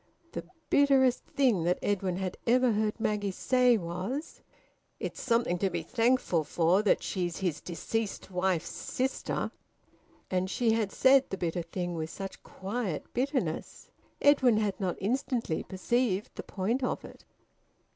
The bitterest thing that Edwin had ever heard Maggie say was: "It's something to be thankful for that she's his deceased wife's sister!" And she had said the bitter thing with such quiet bitterness! Edwin had not instantly perceived the point of it.